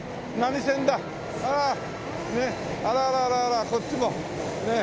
あらあらあらあらこっちもねっ。